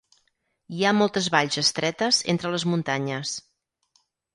Hi ha moltes valls estretes entre les muntanyes.